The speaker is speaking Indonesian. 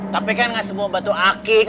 tapi kan gak semua batu akik